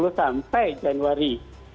sampai januari dua ribu dua puluh satu